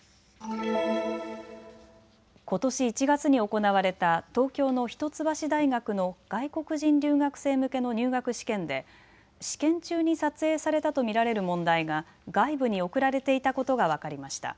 ことし１月に行われた東京の一橋大学の外国人留学生向けの入学試験で試験中に撮影されたと見られる問題が外部に送られていたことが分かりました。